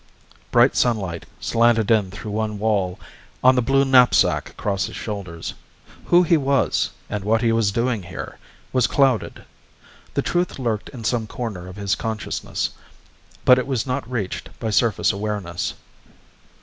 Bright sunlight slanted in through one wall, on the blue knapsack across his shoulders. Who he was, and what he was doing here, was clouded. The truth lurked in some corner of his consciousness, but it was not reached by surface awareness.